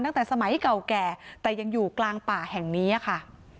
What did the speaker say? ตั้งแต่สมัยเก่าแก่แต่ยังอยู่กลางป่าแห่งนี้ค่ะ